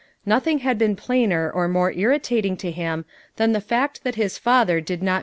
Nothing had been plainer or more irritating to him than the fact that his father did not.